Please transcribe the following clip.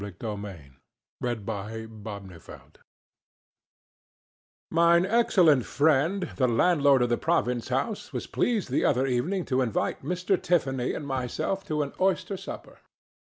LADY ELEANORE'S MANTLE Mine excellent friend the landlord of the Province House was pleased the other evening to invite Mr. Tiffany and myself to an oyster supper.